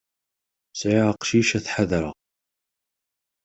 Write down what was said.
Sεiɣ aqcic ad t-ḥadreɣ.